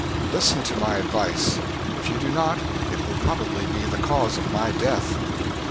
Listen to my advice. If you do not, it will probably be the cause of my death.